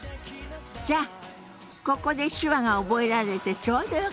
じゃあここで手話が覚えられてちょうどよかったわね。